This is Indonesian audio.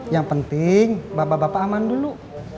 yang penting bapak bapak aman dulu